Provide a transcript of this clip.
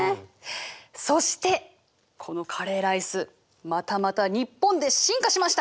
そしてこのカレーライスまたまた日本で進化しました！